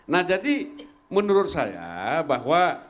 nah jadi menurut saya bahwa